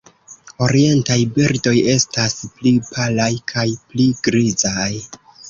Orientaj birdoj estas pli palaj kaj pli grizaj.